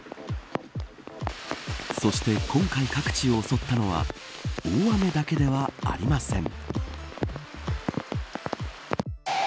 そして今回各地を襲ったのは大雨だけではありません。